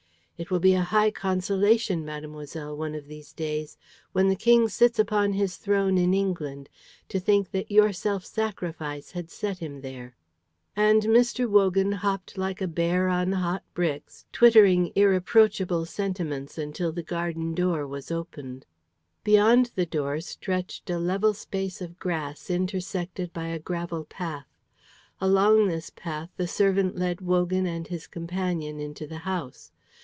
It will be a high consolation, mademoiselle, one of these days, when the King sits upon his throne in England, to think that your self sacrifice had set him there." And Mr. Wogan hopped like a bear on hot bricks, twittering irreproachable sentiments until the garden door was opened. Beyond the door stretched a level space of grass intersected by a gravel path. Along this path the servant led Wogan and his companion into the house.